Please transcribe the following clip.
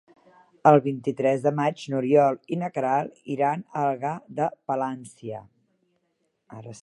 El vint-i-tres de maig n'Oriol i na Queralt iran a Algar de Palància.